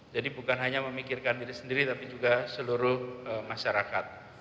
jadi bukan hanya memikirkan diri sendiri tapi juga seluruh masyarakat